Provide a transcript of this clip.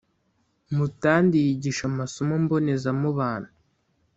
mutandi yigisha amasomo mbonezamubano